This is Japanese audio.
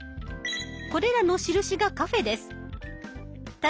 これらの印がカフェです。